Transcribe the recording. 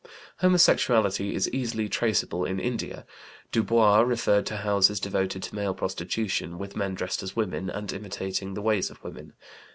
Homosexuality is easily traceable in India. Dubois referred to houses devoted to male prostitution, with men dressed as women, and imitating the ways of women.